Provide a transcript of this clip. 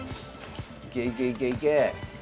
いけいけいけいけ！